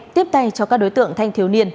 tiếp tay cho các đối tượng thanh thiếu niên